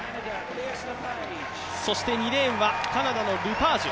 ２レーンはカナダのルパージュ。